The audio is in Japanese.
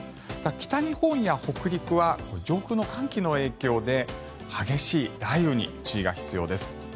北日本や北陸は上空の寒気の影響で激しい雷雨に注意が必要です。